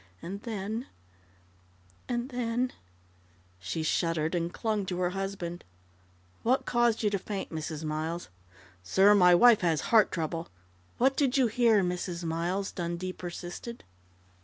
And then and then " She shuddered, and clung to her husband. "What caused you to faint, Mrs. Miles?" "Sir, my wife has heart trouble " "What did you hear, Mrs. Miles?" Dundee persisted.